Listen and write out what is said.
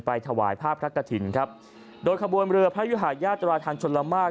ถวายภาพพระกฐินครับโดยขบวนเรือพระยุหาญาตราทางชนละมาก